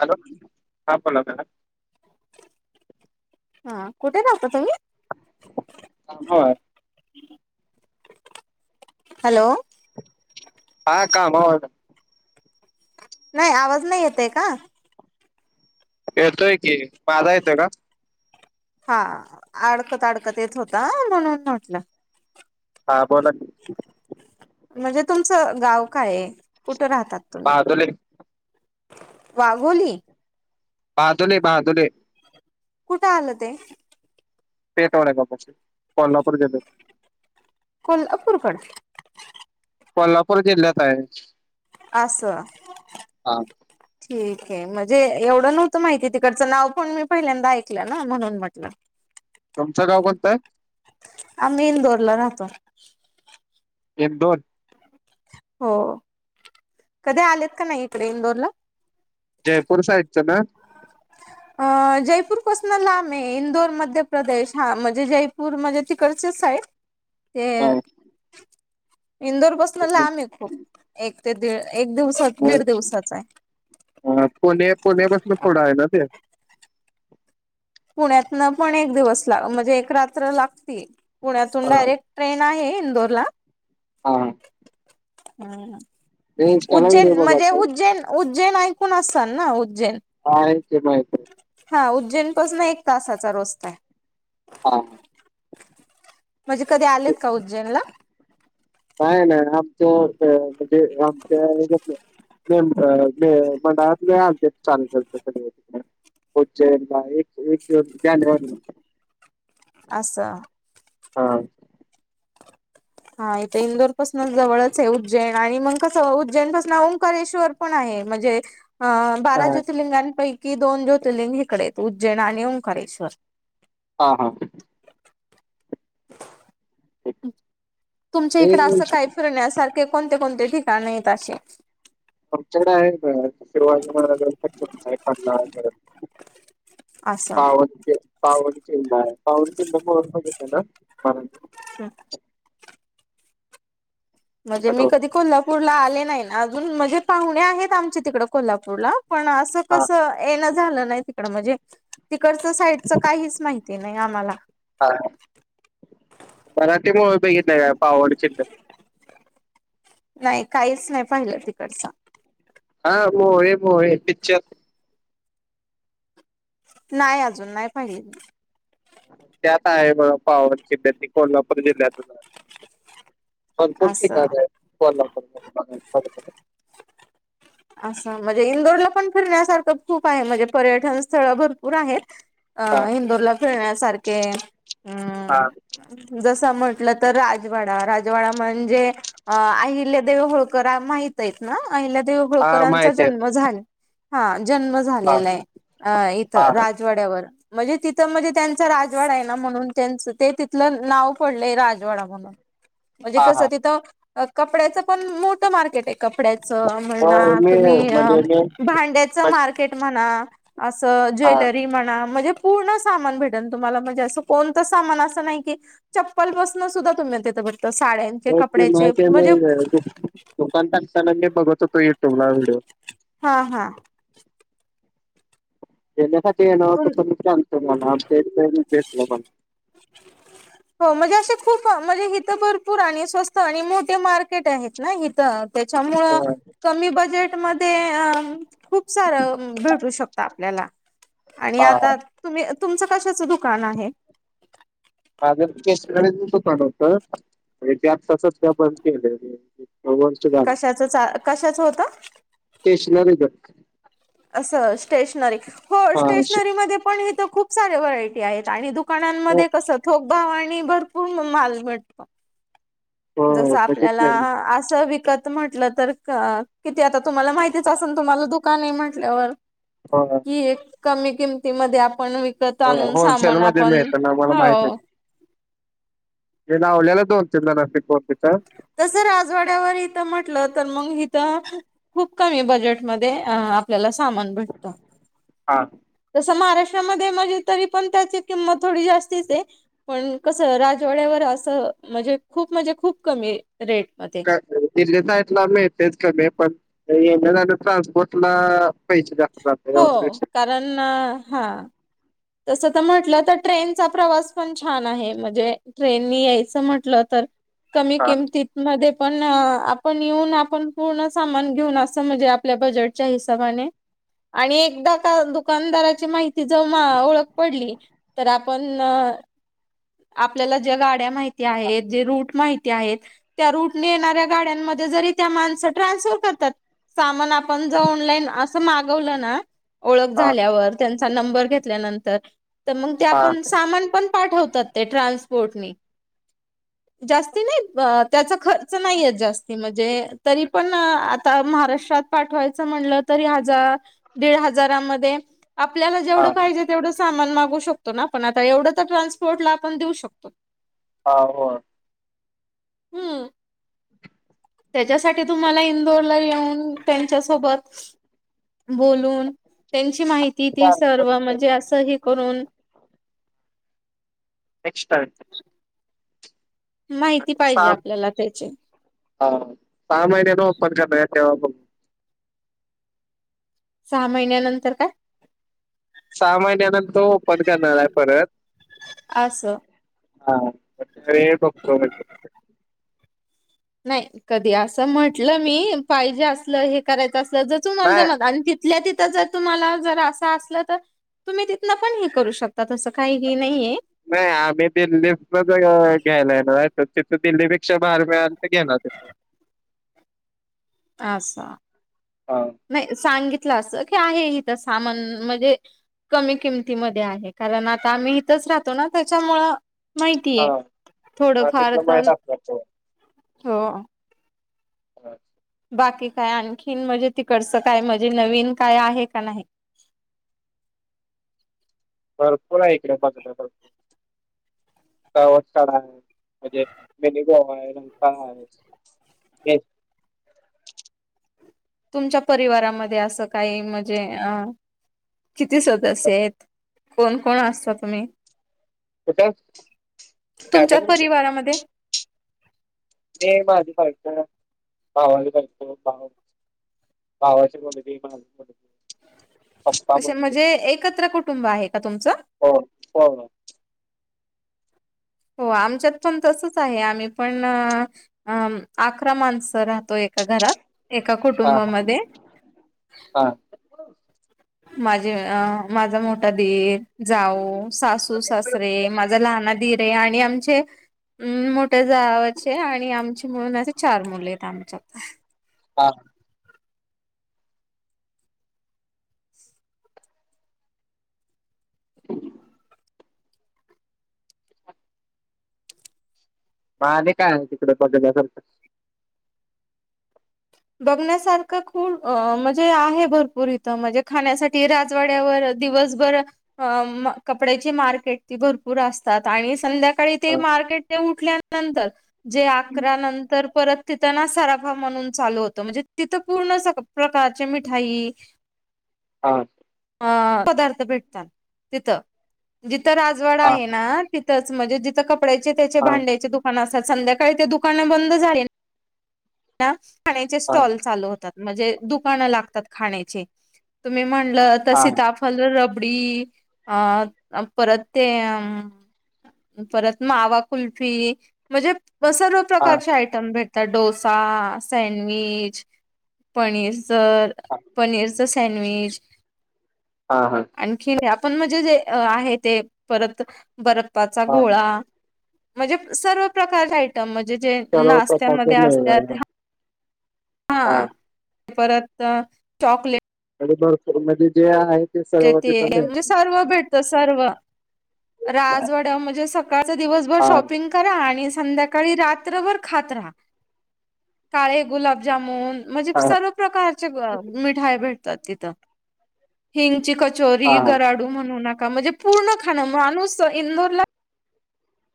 Hello, [inaudible] हा बोला काका. हा, कुटे राहता तुम्ही? बर हॅलो, आ कमावराय. नाही आवाज नाही येते का? येतोय की, माझा येतोय का? हा. अडकत, अडकत येत होता म्हणून म्हटलं. हा बोला की. म्हणजे तुमचं गाव काय आहे? कुठं राहतात तुम्ही? बहादुले वाघोली? बादोली, बादोली. कुठं आलं ते? पेठ वडगांव कोल्हापूर जिल्ह्यात. कोल्हापूर कडं? कोल्हापूर जिल्ह्यात आहे. असं. हा ठीक आहे. म्हणजे एवढं नव्हतं माहिती तिकडचं नाव पण मी पहिल्यांदा ऐकलं ना, म्हणून म्हटलं. तुमचं गाव कोणतायं? आम्ही इंदोरला राहतो. इंदोर? हो कधी आलेत का नाही इकडे इंदोरला? जयपूर साईडचं ना? [inaudible] अ जयपूर पसूनं लांब आहे, इंदोर मध्य प्रदेश हा म्हणजे जयपूर म्हणजे तिकडचेचं आहे. ते, इंदोर पसणं लांब हा हे खूप एक ते एक दिवसात, दीड दिवसाच आहे. ह पुणे, पुणे पासणं पुढे आहे ना ते. पुण्यातन पण एक दिवस ला म्हणजे, एक रात्र लागती पुण्यातून हा डायरेक्ट ट्रेन आहे इंदोर ला. हा. ह मी इंस्टाला व्हिडिओ उज्जैन म्हणजे बघालतो उज्जैन. उज्जैन ऐकून असान ना उज्जैन? हा आहे की माहित आहे. हा उज्जैनपासून एक तासाचा रस्ता आहे. हा. म्हणजे कधी आलेत का उज्जैनला? नाय नाय आमचं म्हणजे आमच्या हेज्यातलं मे मंडळात आलतीत [unintelligible] चाललत उज्जैनला एक दिवस, एक जानेवारी असं. हा. हा इथे इंदोर पाासनच जवळच आहे उज्जैन आणि मग कसं उज्जैन पाासून ओंकारेश्वर पण आहे म्हणजे अ हा बारा ज्योतर्लिंगांपैकी दोन ज्योतर्लिंग इकडे आहेत, उज्जैन आणि ओंकारेश्वर. हा हा. तुमच्या मी इकड काय असं फिरण्यासारखे कोणते कोणते ठिकाणे आहेत अशे? आमच्याकडे आहे नारवा [unintelligible] [inaudible] असं पाव पवानखिंड आहे पवानखिंड बघेत आहे ना [inaudible] हम् [inaudible] मी हॅलो कोलला [unintelligible] आले नाही, अजून म्हणजे पाहुणे आहेत. आमच्या तिकड कोल्हापूरला पण, असं हा कस येणं झालं नाही. तिकड म्हणजे, तिकडचं साईडच काहीच माहिती नाही आम्हाला. हा मराठी मूवी बघित नाही का पावड चि्ह [inaudible] नाही काहीच तिकडच, हा ब आहे ब आहे पिकच्चर, नाही. अजून नाही पहिल. त्यात आहे म पावन खिंड ती कोल्हापूर जिल्ह्यातून, भरपूर असं ठिकाणी आहे. कोल्हापूर असं, म्हणजे इंदोरला पण फिरण्यासारखं खूप आहे म्हणजे, पर्यटन स्थळ भरपूर आहेत? अ, हा हिंदूरला फिरण्यासारखे हा अम् जसं म्हटलं, तर राजवाडा राजवाडा म्हणजे? अ, अहिल्या देव होळकर माहित आहेत. ना अहिल्या देव हा होळकरांचा माहित आहे जन्म झालेला आहे? जन्म हा झालेला आहे, अ इथ हा राजवाड्यावर म्हणजे तिथं म्हणजे त्यांचा राजवाड आह., ना म्हणून, त्यांच ते तिथलं नाव पडलंय राजवाडा म्हणून, म्हणजे, हा कसं हा तिथं कपड्याच पण मोठं मार्केट आहे. कपड्याचं होय म्हणणार मी तुम्ही, म्हणजे मी भांड्याचं मार्केट म्हणा, असं हा ज्वेलरी म्हणा म्हणजे. पूर्ण सामान भेटेल तुम्हाला, म्हणजे असं कोणतं सामान असं नाही की. चप्पल बसनं सुद्धा तुम्ही देत फघत साड्यांचे कपड्याचे म्हणजे? दुकनतांगताना बघत होतो युट्यूब ला [unintelligible] हा हा, म तुम भेटलं [unintelligible] हो, म्हणजे असे खूप म्हणजे इिथं भरपूर आणि स्वस्त आणि मोठे मार्केट आहेत ना इिथं. त्याच्यामुळं, हा कमी बजेट मध्ये, अ खूप सारं भेटू शकता आपल्याला. आणि, हा हा आता तुम्ही तुमच कशाचं दुकान आहे? प नवत म्हणजे त्यात तसच ते पण केलं [unintelligible] हो, कशाच च.. कशाचं होत स्टेशनरीज, असं, स्टेशनरी हो हा श- स्टेशनरी म पण इथ खूप सारे व्हरायटी आहेत. आणि दु दुकानामध्ये कस थोकभव आणि भरपूर माल भेटतो? हो जस, आपल्याला बघितलंय मी असं विकत. म्हटलं, तर का किती आता तुम्हाला माहितीच असेल. तुम्हाला दुकान आहे म्हटल्यावर. होना, ही, एक कमी किमतीमध्ये आपण, विक हो होलसेलमध्येध्ये मिळत ना मला माहित हो आहे? ये नावल्याेला तोततीन ना सीतेच. तसं, राजवाड्यावर इथं म्हटलं. तर मग इिथं खूप कमी बजेटमध्येध्ये अ, आपल्याला सामान भेटतं. हां. जसं, महाराष्ट्रामध्ये तरी त्याची किंमत थोडी जास्तीच आहे. पण, कस राजवाड्यावर असं म्हणजे खूप म्हणजे, खूप कमी रेट महादे ते देतात ना मिळते कमी पण ट्रान्सपोर्टला. पैसे जास्त हो जातात [unintelligible] [unintelligible] हा. तस तर म्हंटल तर ट्रेनचा प्रवास पण छान आहे म्हणजे. ट्रेननी यायच म्हटल तर कमी हा किमतीत. मध्ये पण आपण येऊन आपण पूर्ण सामान घेऊन अस म्हणजे आपल्या बजेट. च्या हिशेबाने आणि येता का दुकानदाराची माहिती जाऊन ओळख पडली तर आपण आपल्याला ज्या गाड्या माहिती आहेत जे रूट माहिती आहेत. त्या रूटने येणाऱ्या गाड्यांमध्ये जरी त्या माणस ट्रान्सफर करतात. सामान आपण जर ऑनलाईन अस मागवल ना. ओळख हा झाल्यावर त्यांचा नंबर घेतल्यानंतर तर मग ते हा आपण सामान पण पाठवतात ते ट्रान्सपोर्टने जास्ती नाही त्याचा खर्च खर्च नाही येत जास्त म्हणजे तरी पण आता महाराष्ट्रात पाठवायचा म्हणल तरी हजार दीड हजारामध्ये आपल्याला जेवढ हा पाहिजे. तेवढ सामान मागवू शकतो ना आपण आता एवढ तर ट्रान्सपोर्टला आपण देऊ शकतो. आ हो. हम्म त्याच्यासाठी तुम्हाला इंदोरला येऊन त्यांच्यासोबत बोलून त्यांची माहिती ती सर्व म्हणजे अस हे करून. नेक्स्ट [unintelligible] माहिती पाहिजे आपल्याला त्याची. हां सहा महिन्यांनी ओपन करणार आहे तेव्हा बघू. सहा महिन्यानंतर काय? सहा महिन्यानंतर ओपन करणार आहेत परत. असं हां नाही कधी अस म्हटल मी पाहिजे असल हे करायच असल तर तुम्हाला नाही जमल. आणि ति तिथल्या तिथ जर तुम्हाला जर अस असल तर. तुम्ही तिथन पण हे करू शकता तस काही हे नाहीये. नाही आम्ही दिल्लीतच घ्यायला येणार ना तर तिथ दिल्लीपेक्षा भारी मिळाल तर घेणार. अस. हां. नाही सांगितल अस की आहे इथ सामान म्हणजे. कमी किमतीमध्ये आहे कारण आता आम्ही इथच राहतो ना त्याच्यामुळ. हा माहितीये हा थोडफार तिथलं तर माहीत आपल्याला हो. [inaudible] बाकी काय आणखीन म्हणजे तिकडच काय म्हणजे नवीन काय आहे का नाही? भरपूर आहे इकड बघण्यासारख. [unintelligible] काढा म्हणजे मिनीबो आहे रंग [unintelligible] ता आहे. तेच. तुमच्या परिवारामध्ये अस काही म्हणजे किती सदस्य आहेत. कोण कोण असता तुम्ही कुठं तुमच्या फॅमिली परिवारामध्ये? मी माझी बायको, भावाची बायको भाऊ. भावाची मुलगी, माझी मुलगी. पप्पा असे मम्मी म्हणजे एकत्र कुटुंब आहे का तुमच? हो हो. हो हो. हो आमच्यात पण तसंच आहे, आम्ही पण अ.. अं.. अकरा माणसं राहतो एक एका घरात, एका हा हा कुटुंबामध्ये हा माझे अ माझा मोठा दीर, जाऊ, सासू-सासरे, माझा लाहाना दिरये आणि आमचे हम्म, मोठ्या जावाचे आणि आमचे मिळून असे चार मुलेत आमच्यात. हा [inaudible] म आणि काय आहे तिकडे बघण्यासारखं? बघण्यासारखं खू.., अ.. म्हजे आहे भरपूर इथं, म्हजे खाण्यासाठी ते राजवाड्यावर अ दिवसभर अ अ म कपड्याची मार्केट, ती भरपूर असतात आणि संध्याका काळी ते हा मार्केट, ते उठल्यानंतर, जे अकरा नंतर परत तितं ना सराफा म्हनून चालू होत, म्हंजे तितं पूर्ण प्रकारचे मिठाई हां अ पदार्थ भेटतात. तिथं जिथं राजवाडा हा आहे ना तिथच म्हणजे जिथं कपड्यायचे त्याचे, हा भांड्यायचे दुक् पणं अंस संध्याकाळी ते दुकानं बंद झाले ना, खाण्याचे हा स्टॉल चालू होतात. म्हणजे दुकानं लागतात खाण्याची तुम्ही म्हणलं तर हा सिताब फल रबडी अ अ परत ते अं परत मावा कुल्फी, म्हंजे पसर वप्...... खूप हा. प्रकारचे आयटम भेटतात डोसा, सँडविच पनीरच, पनीरच सँडविच--' हा हा. आणखी आपण म्हणजे जे आहे.. ते परत बर्फाचा हा गोळा म्हणजे सर्व प्रकारचे आयटम मजे जे सर्व प्रकारचे नाश्त्यामध्ये मिळणार असत्यात हा. ह्ह्.... हा. परत चॉकलेट.. भरपूरमध्ये जे आहेत.. ते ते म सर्व भेटत सर्व हा राजवाड्या म्हणजे सकाळचा दिवसभर हा शॉपिंग... करा आणि संध्याकाळी रात्रभर खात राहा, काळे गुलाबजामून.... म्हनजे प् हा सर्व प्रकारच्या अ मिठाया भेटतात तिथं. हिंगची कचोरी, हा. गराडू म्हनू नका, म्हजे पूर्ण खाणं. माणूस अ इंदोरला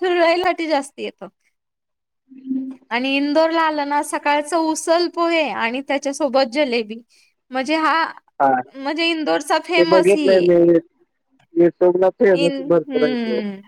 फिर्राईलाटी जास्ती येतो. हम्. आणि इंदोर ला आलं ना सकाळचं उसल पोहे, आणि त्याच्यासोबत जलेबी. म्हजे हा, हा म्हजे इंदोरचा ते फेमस बघितलंय हिये. मी युट्यूबला इन फेमस भरपूर आहे ते. हम्म्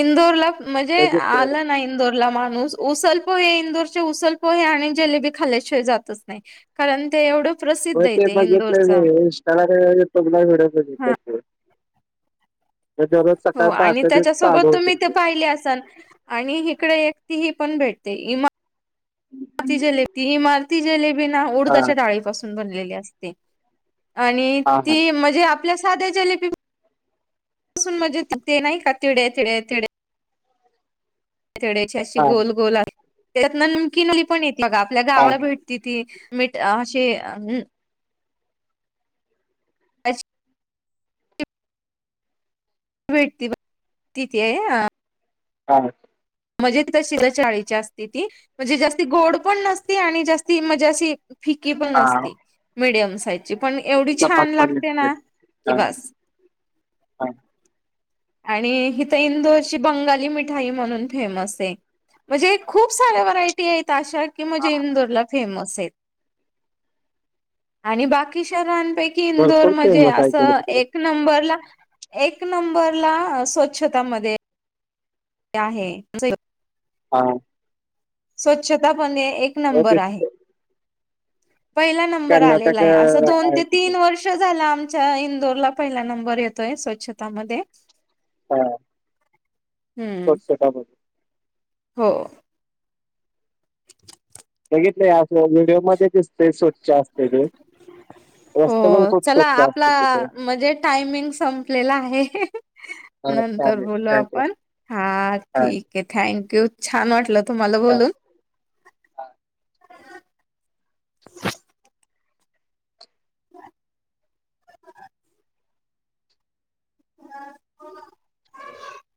इंदोर ला, म्हणजे बघितलंय आलं ना इंदोर. ला माणूस उसल पोहे, इंदोरचे उसल पोहे, आणि जलेबी खाल्ल्याशिवाय जातच नाही. कारण ते एवढं प्रसिद्ध होय आहे ते बघितलेत मी इंदोरचं इंस्टाला [unintelligible] व्हिडिओ हा बघितलेत ते. ते दररोज हो सकाळ आणि पहाटे ते चालू त्याच्यासोबत होते तुम्ही ते पाहिले असलं. आणि इकडे ही पण भेटते, इमा [unintelligible] ती.. जलेबी... इमारती जलेबी ना.. हा. उडदाच्या डाळीपासून बनलेली असते. आणि.. हा हा. ती. म्हणजे आप... आपल्या साध्या जिलेबी. पासून.. म्हणजे ते नाही का. तिडे -तिडे -तिडे... तिड्याची अशी हा. गोल -गोल. त्याच्यातन नमकीनली पण येत बघा. आपल्या हा गावाला भेट.. ति. ति... मिठ.. अशी.. भेटती बाय... तिथे... ह.. [unintelligible] मजी कशीला चाळीची असती ती म्हणजे जास्ती गोड पण नसती आणि जास्ती म्हणजे अशी... फिकी पण हा असती. Medium size. पण एवढी छान सपाट पडलेत लागते.. ते. ना.. की हा. बास.. हा आणि ईथं इंदोरची बंगाली मिठाई म्हणून... फेमस आहे. म्हणजे खूप साऱ्या व्हरायटी आहेत अशा की हा म्हणजे इंदरला... फेमस आहेत. आणि बाकी शहरांपैकी.. इंदोर भरपूर म्हणजे फेमस आहे ते असं तिकडे. एक... एक नंबरला. एक नंबरला स्वच्छता मध्ये... आहे... जे.. [unintelligible] स्वच्छता पण हे एक हो नंबर आहे. तेच पहिला नंबर आलेला कर्नाटक अ, आहे. अस आहे दोन- तिथे तीन वर्ष... झाला आमच्या इंदोरला पहिला नंबर येतोय स्वच्छतामध्ये... हा... हम्म स्वच्छतामध्ये... हो... सगितलंय अस व्हिडिओ मध्ये दिसतय सोड च्या असतय ती......... हो.... चला... आपला. म्हणजे टायमिंग संपलेला आहे. हा नंतर चालेल बोलु थँक्यू आपण हा... ठिक.. कि... थँक यू. छान वाटलं तुम्हाला हा बोलून. [unintelligible] [inaudible]